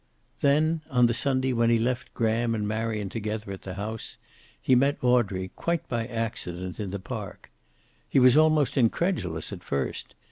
Then, on the Sunday when he left Graham and Marion together at the house, he met Audrey quite by accident in the park. He was almost incredulous at first.